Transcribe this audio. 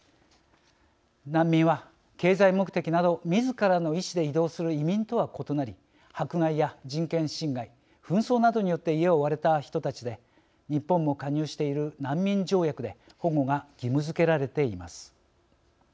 難民は経済目的などみずからの意思で移動する移民とは異なり迫害や人権侵害紛争などによって家を追われた人たちで日本も加入している難民条約で保護が義務づけられています。